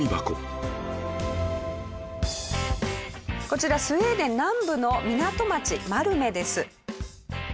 こちらスウェーデン南部の港町マルメです。